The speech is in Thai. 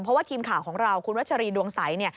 เพราะว่าทีมข่าวของเราคุณวัชรีดวงใส